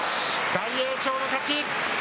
大栄翔の勝ち。